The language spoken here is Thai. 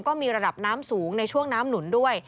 ก็มีระดับน้ำสูงในช่วงน้ำหนุนด้วย